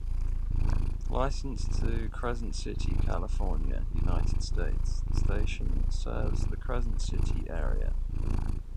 Licensed to Crescent City, California, United States, the station serves the Crescent City area.